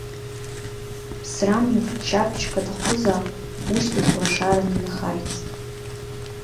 Ԥсрамҩагь ччаԥшьк аҭахызаап, ушьҭахь лашаран инхарц.